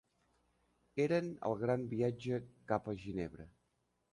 Eren al gran viatge capa a Ginebra.